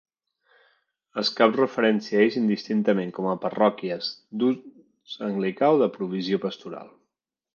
Es cap referència a ells indistintament com parròquies de "ús anglicà" o de "provisió pastoral".